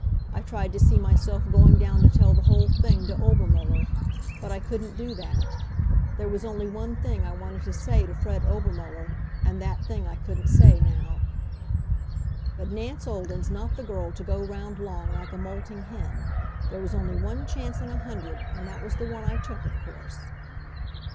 I tried to see myself going down to tell the whole thing to Obermuller. But I couldn't do that. There was only one thing I wanted to say to Fred Obermuller, and that thing I couldn't say now. But Nance Olden's not the girl to go round long like a molting hen. There was only one chance in a hundred, and that was the one I took, of course.